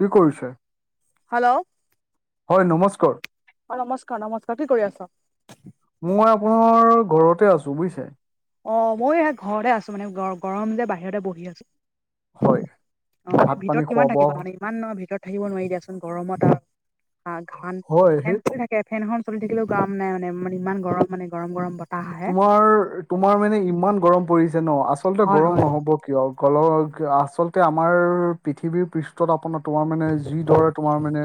কি কৰিছে? হেল্ল'। হয় নমস্কাৰ। অ' নমস্কাৰ, নমস্কাৰ, কি কৰি আছ? মই আপোনাৰ ঘৰতে আছো বুজিছে। অ' ময়ো সে ঘৰতে আছো, মানে গ-গৰম যে বাহিৰতে বহি আছোঁ। অ হয় মানে ভাত পানী ভিতৰত কিমান খোৱা বোৱা থাকিবা হ- মানে। ইমান নহয় ভিতৰত থাকিব নোৱাৰি দিয়াচোন, গৰমত আৰু ঘান। হয় সেই কে ফেনখন চল থাকিলও কাম নাই মানে মান ইমান গৰম মানে গৰম গৰম ব তোমাৰ তোমাৰ মানে ইমান গৰম পৰিছে ন' আচলতে হয় গৰম হয় নহব। কিয় ক'লো, আচলতে আমাৰ পৃথিৱীৰ পৃষ্ঠত আপোনাৰ তোমাৰ মানে, যি দৰে তোমাৰ মানে,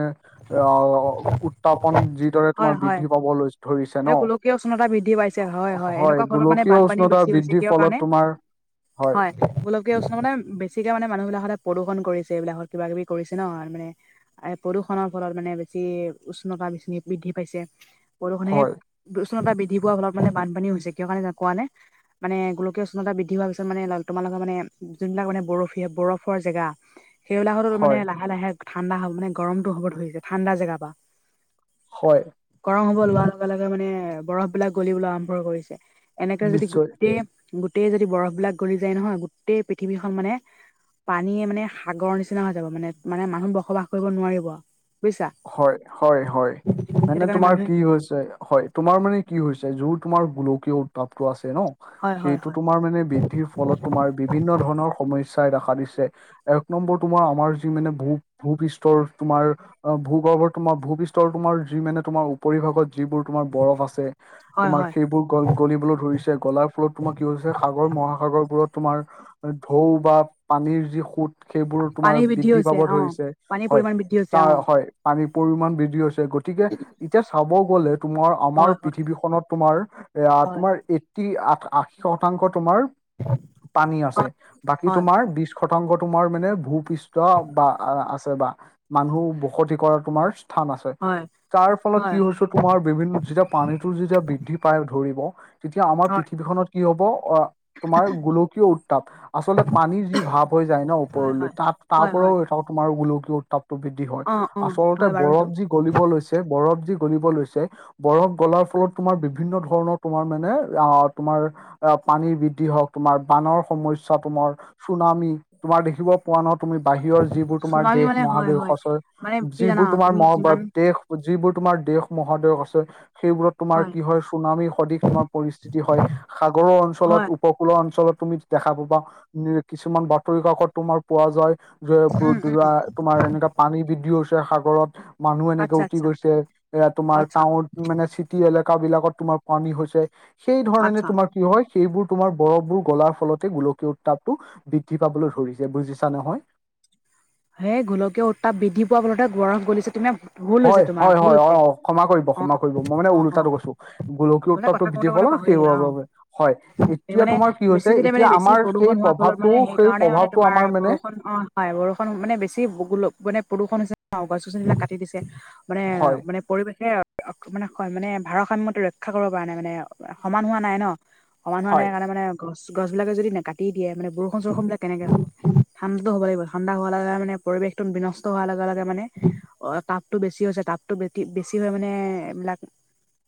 অ', উত্থাপন যি দৰে তোমাৰ বৃদ্ধি পাবলৈ ধৰিছে ন কীয় উষ্ণতা বৃদ্ধি পাইছে, হয় হয়, এনেকুৱা ফলত মানে গোলকীয় বানপানীও উষ্ণতা বেছি হৈছে, বৃদ্ধিৰ কিহৰ ফলত কাৰণে, তোমাৰ হয়। গোলকীয় উষ্ণতাই বেছিকে মানে মানুহ বিলাক সদায় প্ৰদূষণ কৰিছে এইবিলাকত, কিবা কিবি কৰিছে ন, মানে এ প্ৰদূষণৰ ফলত মানে বেছি উষ্ণতা বৃদ্ধি পাইছে প্ৰদূষুণে। হয় উষ্ণতা বৃদ্ধি পোৱাৰ ফলত মানে বানপানী হৈছে, কিয় কাৰণে কোৱা নে? মানে গোলকীয় উষ্ণতা বৃদ্ধি হোৱা পিছত মানে তোমালোকৰ মানে যোনবিলাক মানে বৰফি বৰফৰ জেগা সেইবিলাকটো হয় মানে লাহে লাহে ঠাণ্ডা হ মানে গৰমটো হব ধৰিছে ঠাণ্ডা জেগা পৰা। হয়। গৰম হব লোৱাৰ লগে লগে মানে বৰফ বিলাক গলিবলৈ আৰম্ভ কৰিছে। এনেকে যদি নিশ্চয় গোটেই গোটেই যদি বৰফবিলাক গলি যায় নহয়, গোটেই পৃথিৱীখন মানে। পানীয়ে মানে সাগৰৰ নিচিনা হৈ যাব মানে মানে মানুহ বসবাস কৰিব নোৱাৰিব বুজিছা? হয়' হয়', হয়', সেইটো মানে কাৰণে তোমাৰ মানুহে কি হৈছে। হয়' তোমাৰ মানে কি হৈছে যোৰ তোমাৰ গোলকীয় উৎভাৱটো আছে ন'? হয় হয় সেইটো হয় তোমাৰ মানে বৃদ্ধিৰ ফলত তোমাৰ বিভিন্ন ধৰণৰ সমস্যাই দেখা দিছে। এক নম্বৰ তোমাৰ আমাৰ যি মানে ভূ- ভূপৃষ্ঠৰ তোমাৰ। অ' ভূগৰ্ভ তোমাৰ ভূপৃষ্ঠৰ তোমাৰ যি মানে তোমাৰ উপৰি ভাগত যিবোৰ। তোমাৰ বৰফ আছে হয় তোমাৰ হয় সেইবোৰ গল। গলিবলৈ ধৰিছে গলাৰ ফলত তোমাৰ কি হৈছে? সাগৰ মহাসাগৰবোৰত তোমাৰ। ঢৌ বা পানীৰ যি সুত। সেইবোৰ তোমাৰ পানী বৃদ্ধি হৈছে পাব অ ধৰিছে, পানীৰ হয়' পৰিমাণ বৃদ্ধি হৈছে অ তাৰ। হয়' পানীৰ পৰিমণ বৃদ্ধি হৈছে গতিকে এতিয়া চাব গ'লে তোমাৰ। আমাৰ হয় হয় পৃথিৱীখনত তোমাৰ এ হয় তোমাৰ এইট্টি আ- আশী শতাংশ তোমাৰ। পানী আছে বাকী হয় তোমাৰ বিশ শতাংশ তোমাৰ মানে ভোক। পৃষ্ট বা আছে বা মানুহ বসতি কৰা তোমাৰ। স্থান আছে তাৰ ফলত হয় কি হয় হৈছো। তোমাৰ বিভিন্ন যেতিয়া পানীতো যেতিয়া বৃদ্ধি পাই ধৰিব তেতিয়া আমাৰ হয় পৃথিৱীখনত। কি হ'ব অ'। তোমাৰ গোলকীয় উত্তাপ আচলতে পানীৰ যি ভাৱ হৈ যায় ন' হয় ওপৰলৈ হয় তাত তাৰ হয় হয় পৰাও তোমাৰ গোলকীয় উত্তাপটো বৃদ্ধি হয় অ অ আচলতে হয় বাৰু সেইটো বৰফ যি। গলিব লৈছে বৰফ যি গলিব লৈছে। বৰফ গলাৰ ফলত তোমাৰ বিভিন্ন ধৰণৰ তোমাৰ মানে আহ তোমাৰ। আহ পানীৰ বৃদ্ধি হওঁক তোমাৰ বানৰ সমস্যা তোমাৰ চুনামি তোমাৰ দেখিব। পোৱা ন তুমি বাহিৰৰ যিবোৰ তোমাৰ চুনামি দেশ মানে হয় মহাদেশ হয় আছে মানে কি জানা যিবোৰ তোমাৰ তুমি মহ যিমান দেশ। যিবোৰ তোমাৰ দেশ মহাদেশ আছে সেইবোৰত। তোমাৰ কি হয় সুনামী সদিৃশ তোমাৰ পৰিস্থিতি হয় সাগৰৰ অঞ্চলত। হয় প্ৰকুলৰ অঞ্চলত তুমি দেখা প বা কিছুমান বাতৰি কাকত তোমাৰ পোৱা যায়। যে উম উম ৰা তোমাৰ এনেকুৱা পানী বৃদ্ধি হৈছে সাগৰত। মানুহ এনেকে আচ্ছা উঠি আচ্ছা গৈছে এয়া তোমাৰ আচ্ছা টাউন। মানে চিটি এলেকা বিলাকত তোমাৰ পানী হৈছে সেই ধৰণে আচ্ছা তোমাৰ। কি হয়? সেইবোৰ তোমাৰ বৰফবোৰ গলাৰ ফলতে গোলকীয় উত্তাপটো। বৃদ্ধি পাবলৈ ধৰিছে বুজিছা নহয়? হেই গোলকীয় উত্তাপ বৃদ্ধি পোৱাৰ ফলতে গৰখ গলিছো। [unintelligible] ভুল হৈছে হয় তোমাৰ হয় ভুল হয় অ হৈছে, অ, ক্ষমা কৰিব ক্ষমা অ', কৰিব মই মানে অ', অ', ওলোটাটো অ'। কৈছো গোলকীয় মানে উত্তাপটো কথা বৃদ্ধি কওঁতে কতে ফলত পাহৰি গ'লা সেইবোৰৰ অ' বাবে হয় এতিয়া মানে তোমাৰ কি বেছি হৈছে যেতিয়া মানে এতিয়া বেছি আমাৰ সেই প্ৰদূষণ হোৱাৰ ফলত প্ৰভাৱটো মানে সেই সেইকাৰণে মানে প্ৰভাৱটো তোমাৰ আমাৰ মানে বৰষুণ অ'। হয় বৰষুণ মানে বেছি গোল মানে প্ৰদূষণ হৈছে নাও গছ-গছনিবিলাক কাটি দিছে মানে হয় মানে পৰিৱেশে অ মানে মানে ভাৰসাম্যতো ৰক্ষা কৰিব পৰা নাই মানে সমান হোৱা নাই ন। সমান হোৱা নাই হয় কাৰণে মানে গছ গছবিলাকে যদি নাকাটি দিয়ে মানে বৰষুণ চৰষুণবিলাক কেনেকে হ ঠাণ্ডাতো হ'ব লাগিব। ঠাণ্ডা হোৱাৰ লগে মানে পৰিৱেশতো বিনষ্ট হোৱাৰ লগে লগে মানে অ তাপতো বেছি হৈছে তাপ- টো বে কি বেছি হয় মানে এবিলাক [inaudible]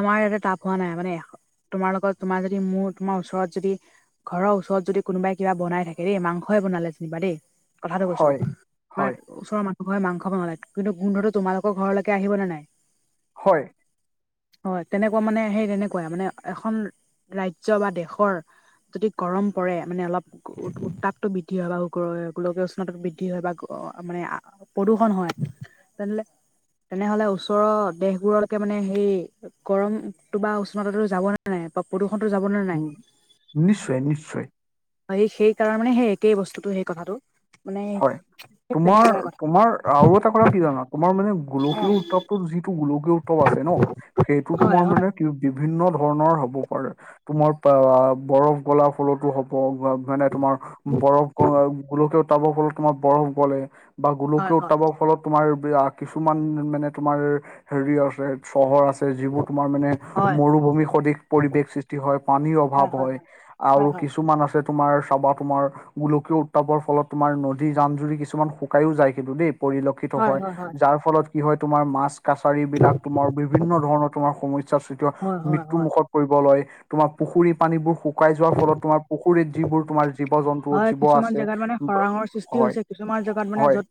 আমাৰ ইয়াতে তাপ হোৱা নাই মানে, তোমাৰ লগত তোমাৰ যদি মোৰ তোমাৰ ওচৰত যদি ঘৰৰ ওচৰত যদি কোনোবাই কিবা বনাই থাকে দেই মাংসই বনালে যেনিবা দেই। কথাটো কৈছো, হয় আমাৰ হয় ওচৰৰ মানুহে মাংস বনালে কিন্তু গোন্ধটো তোমালোকৰ ঘৰলেকে আহিব নে নাই? হয়। হয় তেনেকুৱা মানে সেই তেনেকুৱাই মানে এখন ৰাজ্য বা দেশৰ যদি গৰম পৰে মানে অলপ উ উত্তাপটো বৃদ্ধি হয় বা গয়- গোলকীয় উষ্ণতা বৃদ্ধি হয় বা মানে প্ৰদূষণ হয় তেনেহ'লে তেনেহ'লে ওচৰৰ দেশবোৰলৈকে মানে সেই গৰমটো বা উষ্ণতাতো যাব নে নাই বা প্ৰদূষণটো যাবনে নাই? উম, নিশ্চয় নিশ্চয় এই সেইকাৰণে মানে সেই একেই বস্তুটো সেই কথাটো। মানে হয়, সেই তোমাৰ তেনেকুৱাই কথা তোমাৰ আৰু এটা কথা কি জানা তোমাৰ মানে অ গোলকীয় উত্তাপটো যি টো গোলকীয় উত্তাপ আছে ন সেইটো হয় তোমাৰ হয় মানে কি বিভিন্ন ধ- ধৰণৰ হ'ব পাৰে, তোমাৰ অ বৰফ গলা ফলতো হ'ব [unintelligible] মানে তোমাৰ বৰফ গ গোলকীয় উত্তাপৰ ফলত তোমাৰ বৰফ গ'লে। বা হয় গোলকীয় হয় উত্তাপৰ ফলত তোমাৰ কিছুমান মানে তোমাৰ হেৰি আছে। চহৰ আছে যিবোৰ তোমাৰ মানে হয় মৰুভূমি সদৃশ পৰিৱেশ সৃষ্টি হয় পানীৰ অভাৱ হয়। আৰু হয় হয় কিছুমান আছে তোমাৰ চাবা তোমাৰ গোলকীয় উত্তাপৰ ফলত তোমাৰ নদী জান-জুৰি কিছুমান শুকাইও যায় কিন্তু দেই পৰিলক্ষিত হয় যাৰ ফলত কি হয় তোমাৰ মাছ কাছাৰীবিলাক তোমাৰ বিভিন্ন ধৰণৰ তোমাৰ সমস্যাৰ সৃষ্টি হয় মৃত্যুমুখত পৰিব লয় তোমাৰ পুখুৰী পানীবোৰ শু- শুকাই যোৱাৰ ফলত তোমাৰ পুখুৰীত যিবোৰ তোমাৰ জীৱ জন্তু হয় জীৱ কিছুমান আছে। জেগাত মানে ব- খৰাঙৰ সৃষ্টি হয় হৈছে কিছুমান জেগাত মানে হয় য'ত,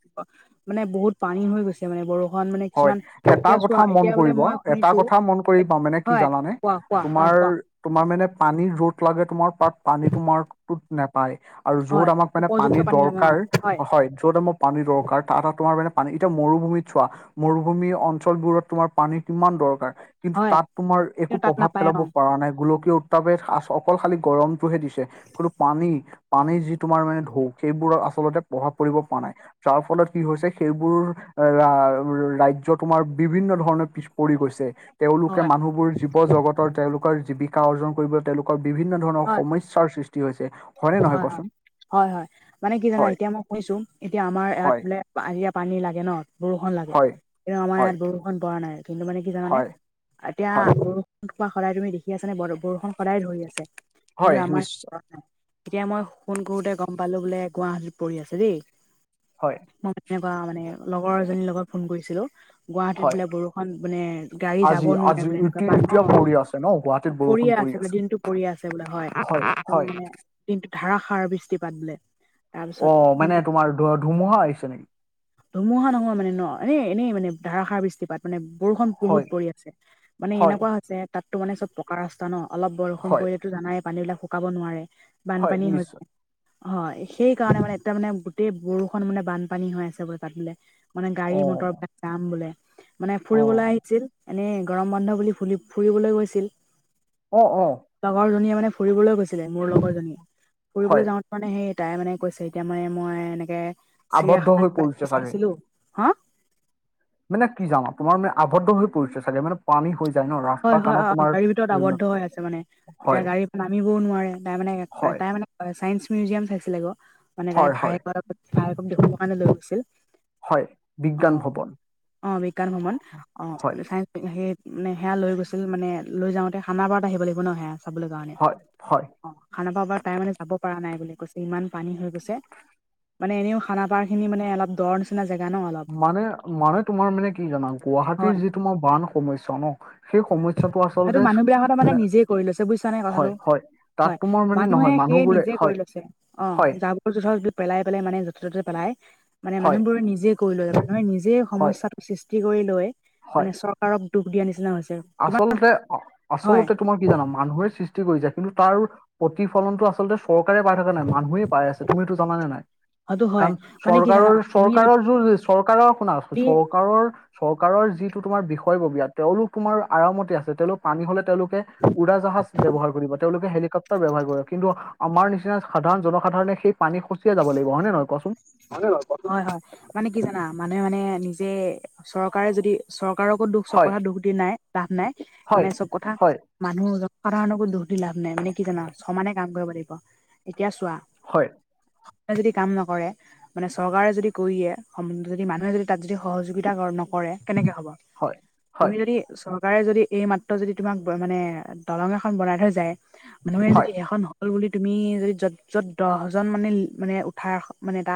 মানে বহুত পানী হৈ গৈছ- তে মানে বৰষুণ মানে হয় কিছুমান এটা এতিয়া চোৱা কথা মন এতিয়া বোলে কৰিব মই এটা শুনিছো, কথা এট হয়। কোৱা কোৱা? অ। আৰ কোৱা তোমাৰ মানে পানী ৰ'দ লাগে তোমাৰ পাত পানী তোমাৰটোত নেপায়। আৰু য'ত হয় আমাক মানে উপযুক্ত পানীৰ পানী লাগে অ দৰকাৰ হয় য'ত আমাপ পানী দৰকাৰ তাত তোমাৰ মানে পানী এতিয়া মৰুভূমিত চোৱা। মৰুভূমি অঞ্চলবোৰত তোমাৰ পানী কিমান দৰকাৰ। কিন্তু হয় তাত তোমাৰ একো কিন্তু তাত প্ৰভাৱ নাপায় পেলাব অ পৰা নাই গোলকীয় উত- ত্তাপে খা ছ অকল খালি গৰমটোহে দিছে। কোতো পানী, পানী যি তোমাৰ মানে ঢৌ সেইবোৰৰ আচলতে প্ৰভাৱ পৰিব পৰা নাই। যাৰ ফলত কি হৈছে সেইবোৰ ৰা- ৰাজ্য তোমাৰ বিভিন্ন ধৰণৰ পিছ পৰি গৈছে তেওঁলোকে হয় মানুহবোৰ জীৱ জগতৰ তেওঁলোকৰ জীৱিকা অৰ্জন কৰিবলৈ তেওঁলোকৰ বিভিন্ন ধৰণৰ হয় সমস্যাৰ সৃষ্টি হৈছে। হয়নে নহয় হয় কচোন হয়, হয় হয় মানে কি জানা হয় এতিয়া মই কৈছো এতিয়া আমাৰ ইয়াত হয় বোলে আৰিয়া পানী লাগে ন বৰষুণ লাগে হয় কিন্তু আমাৰ হয় ইয়াত বৰষুণ পৰা নাই কিন্তু মানে কি জানা নে হয় এতিয়া হয় বৰুষ টোপা সদায় তুমি দেখি আছা নে বৰ- বৰষুণ সদায় ধৰি আছে এইটো হয় আমাৰ নিশ্চয় নাই এতিয়া মই শুণ কৰোতে গম পালো বোলে গুৱাহাটীত পৰি আছে দেই হয় মই এনেকুৱা মানে লগৰ এজনীৰ লগত ফোন কৰিছিলোঁ গুৱাহাটীত হয় বোলে বৰষুণ মানে গাড়ী আজি যাব নোৱাৰে আজি বোলে এনেকুৱা ইতি- বা এতিয়া অ', পৰি আছে ন গুৱাহাটীত বৰষুণ পৰিয়ে পৰি আছে বোলে দিন টো পৰি আছে বোলে হয় একদম মানে দিনটো ধাৰাসাৰ বৃষ্টি পাত বোলে অ তাৰপিছত মানে তোমাৰ ধু- ধুমুহা আহিছে নেকি ধুমুহা নহয় মানে ন' এনে এনেই মানে ধাৰাষাৰ বৃষ্টিপাত মানে বৰষুণ হয় বহুত পৰি আছে মানে হয় এনেকুৱা হৈছে তাততো মানে চব পকা ৰাস্তা ন' অলপ বৰষুণ হয় পৰি টো জানাই পানী বিলাক শুকাব নোৱাৰে বানপানী হয় হয়, সেইকাৰণে মানে এতিয়া মানে গোটেই বৰষুণ মানে বানপানী হৈ আছে বোলে তাত বোলে। মানে অ গাড়ী মটৰবিলাক যাম বোলে মানে অ ফুৰিবলৈ আহিছিল এনেই গৰম বন্ধ বুলি ফুলি ফুৰিবলৈ গৈছিল অ', অ', লগৰজনীয়ে মানে ফুৰিবলৈ গৈছিলে মোৰ লগৰজনীয়ে ফুৰিবলৈ হয় যাওঁতে মানে সেই তাই মানে কৈছে এতিয়া মানে মই এনেকে আবদ্ধ চিৰিয়াখানা হৈ পৰিছে [unintelligible] চাগে চাইছিলো হাঁ? মানে কি যাওঁ, তোমাৰ মানে আবদ্ধ হৈ পৰিছে চাগে মানে পানী হৈ যায় ন ৰাস্তা হয় - হয়, কানত অ', তোমাৰ গাড়ীৰ ভিতৰত উম, আৱদ্ধ হৈ আছে মানে এতিয়া হয় গাড়ী পৰা নামিবও নোৱাৰে তাই মানে হয় তাই মানে ছায়েন্স মিউজিয়াম চাইছিলে গ' মানে তাই হয় হয় ভায়েকক [unintelligible] দেখুৱাবৰ কাৰণে লৈ গৈছিল হয় বিজ্ঞান অ', ভৱন অ', বিজ্ঞান ভ্ৰমন অ', হয় সেই মানে সেয়া লৈ গৈছিল মানে লৈ যাওঁতে খানাপাৰত আহিব লাগিব ন' সেয়া চাবলৈ কাৰণে হয় হয় অ', খানাপাৰা তাই মানে যাব পৰা নাই বুলি কৈছে ইমান পানী হৈ গৈছে মানে এনেও খানাপাৰা খিনি মানে অলপ দহ নিচনা জেগা ন' অলপ মানে - মানে, তোমাৰ মানে কি জানা হয় গুৱাহাটীৰ যি তোমাৰ বান সমস্যা ন' সেই সমস্যা সেইটো মানুহবিলাকত মানে নিজে কৰি লৈছে বুজিছা নে কথাটো হয় হয় তাত হয় তোমাৰ মানে মানুহে নহয় সে মানুহবোৰে নিজে কৰি হয় লৈছে। অ', হয় যাব [unintelligible] পেলাই - পেলাই মানে যতে ততে পেলাই মানে হয় মানুহবোৰ নিজে কৰি লৈ মানুহে নিজে হয় সমস্যাটো সৃষ্টি কৰি লৈ হয় মানে চৰকাৰক দুখ দিয়া নিচিনা হৈছে কিমান আচলতে হয় আচলতে তোমাৰ কি জানা মানুহে সৃষ্টি কৰি যাই কিন্তু তাৰ প্ৰতিফলনটো আচলতে চৰকাৰে পাই থকা নাই মানুহে পাই আছে তুমি এইতো জানানে নাই হয়টো হয় কাৰণ মানে কি জানা চৰকাৰৰ তুমি চৰকাৰৰ [unintelligible] চৰকাৰৰ শুনা যদি চৰকাৰৰ - চৰকাৰৰ যিটো তোমাৰ বিষয়ববীয়া তেওঁলোক তোমাৰ আৰামতে আছে তেওঁলোক পানী হলে তেওঁলোকে উৰাজাহাজ ব্যৱহাৰ কৰিব তেওঁলোকে হেলিকপ্টাৰ ব্যৱহাৰ কৰে কিন্তু আমাৰ নিচিনা সাধাৰণ জনসাধাৰণে সেই পানী খচিয়ে যাব লাগিব হয় নে নহয় কোৱাচোন? হয়- হয়, মানে কি জানা মানুহে মানে নিজে চৰকাৰে যদি চৰকাৰকো দুখ চব হয় কথা দুখ দি নাই লাভ নাই মানে হয় চব কথা হয় মানুহ জনসাধাৰণৰকো দুখ দি লাভ নাই মানে কি জানা ছমানে কাম কৰিব লাগিব এতিয়া চোৱা হয় সে যদি কাম নকৰে মানে চৰকাৰে যদি কৰিয়ে [unintelligible] মানুহে যদি তাত যদি সহযোগিতা নকৰে কেনেকে হ'ব হয় হয় তুমি যদি চৰকাৰে যদি এই মাত্ৰ যদি তোমাক মানে দলং এখন বনাই থৈ যায় মানুহে হয় যদি এখন হল বুলি তুমি যদি য'ত য'ত দহজন মানে মানে উঠা এখ মানে এটা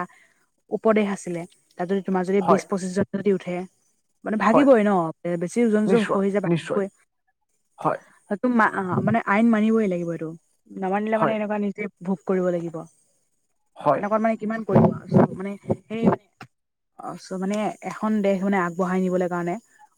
উপদেশ আছিলে, তাত যদি তোমাৰ যদি হয় বিশ পঁচিশ জন যদি উঠে মানে হয় ভাগিবই ন, বেছি ওজন যে নিশ্চয় হৈ যায় নিশ্চয় ভাগিবই। হয় মানে আইন মানিবই লাগিব এইটো, নামানিলে মানে হয় এনেকুৱা নিজে ভোগ কৰিব লাগিব, হয় তেনেকুৱা মানে কিমান কৰিব আও চব মানে সে চ মানে এখন দেশ মানে আগবঢ়াই নিবলে কাৰণে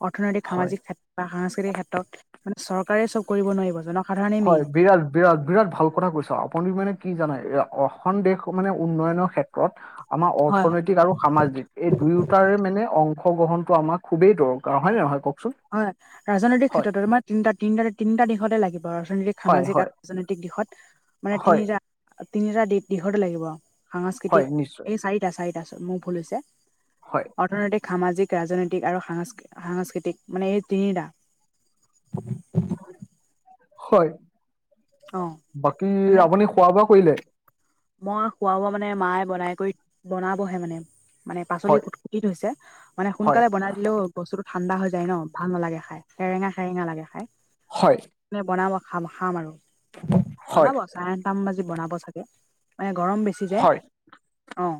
অৰ্থনৈতিক, হয় সামাজিক ক্ষেত্ৰ বা সাংস্কৃতিক ক্ষেত্ৰত মানে চৰকাৰে চব কৰিব নোৱাৰিব জনক হয় বিৰাল বিৰাট বিৰাট ভাল কথা কৈছ, আপুনি মানে কি জানে এ অসম দেশ মানে উন্নয়নৰ ক্ষেত্ৰত আমাৰ হয় হয়। অৰ্থনৈতিক আৰু সামাজিক এই দুয়োটাৰে মানে অংশগ্ৰহণটো আমাৰ খুবেই দৰকাৰ। হয় নে নহয় কওকচোন? হয় ৰাজনৈতিক হয় ক্ষেত্ৰটো, তোমাৰ তিনিটা তিনি তিনিটা দিশতে লাগিব ৰাজনৈতিক হয় সামাজিক হয় আৰু ৰাজনৈতিক দিশত মানে হয় তিনিটা তিনিটা দি দিশটো লাগিব। সাংস্কৃতিক হয় নিশ্চয় এই চাৰিটা চাৰিটা চ মোৰ ভুল হৈছে হয় অৰ্থনৈতিক সামাজিক ৰাজনৈতিক আৰু সাংস সাংস্কৃতিক মানে এই তিনিটা হয়। অঁ। বাকী আপুনি খোৱা বোৱা কৰিলে? মই খোৱা বোৱা মানে মায়ে বনাই কৰি বনাবহে মানে। মানে পাচলি হয় কুটকুটি থৈছে, মানে হয় সোনকালে বনাই লেও বস্তুটো ঠাণ্ডা হৈ যায় ন, ভাল নেলাগে খাই, সেৰেঙা সেৰেঙা লাগে খাই। হয়। মানে বনাব খাম খাম আৰু, হয় বনাব চাৰে আঠটা মান বাজি বনাব চাগে। মানে গৰম বেছি যে হয় অঁ।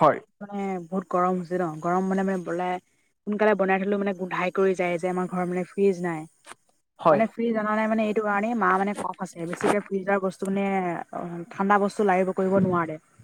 হয়। মানে বহুত গৰম হৈছে ন, গৰম মানে মানে বলাই সোনকালে বনাই থলো মানে গোন্ধাই কৰি যায় যে, আমাৰ ঘৰত মানে ফ্ৰিজ নাই। হয় মানে ফ্ৰিজ অনা নাই মানে এইটো কাৰণেই মা মানে কফ আছে, বেছিকে ফ্ৰিজাৰ বস্তু মানে অ ঠাণ্ডা বস্তু লাগিব কৰিব নোৱাৰে।